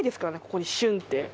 ここに「旬」って。